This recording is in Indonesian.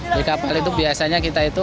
di kapal itu biasanya kita itu